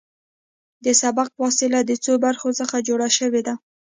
د سبقت فاصله د څو برخو څخه جوړه شوې ده